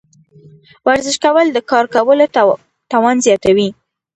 ورزش کول د کار کولو توان زیاتوي.